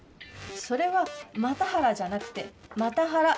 それは又原じゃなくてマタハラ。